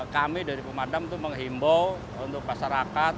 kami dari pemadam itu menghimbau untuk masyarakat